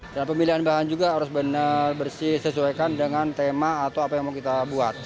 dan pemilihan bahan juga harus benar bersih sesuaikan dengan tema atau apa yang mau kita buat